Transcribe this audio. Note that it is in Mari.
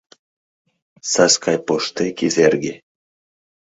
Саскай поштек Изерге